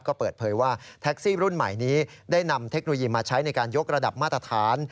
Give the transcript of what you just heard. ก็เปิดเผยว่าแท็กซี่รุ่นใหม่นี้ได้นำเทคโนโลยีมาใช้ในการยกระดับมาตรฐาน